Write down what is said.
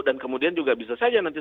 dan kemudian juga bisa saja nanti